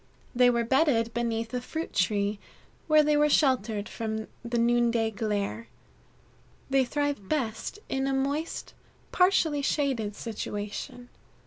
They were bedded beneath a fruit tree, where they were sheltered from the noonday glare. They thrive best in a moist, partially shaded situation.